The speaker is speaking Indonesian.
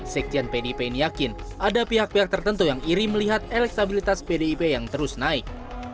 sekjen pdip ini yakin ada pihak pihak tertentu yang iri melihat elektabilitas pdip yang terus naik